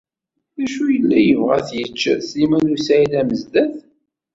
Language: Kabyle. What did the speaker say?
D acu i yella yebɣa ad t-yečč Sliman u Saɛid Amezdat?